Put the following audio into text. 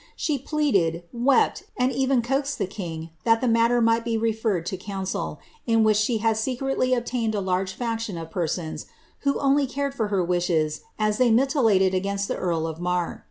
She pleaded, wept, and even coaxed the king that the matter might be n ferred to council, in which she had secretly obtained a large faction of persons, who only cared for her wishes as they militated against the earl of Marr.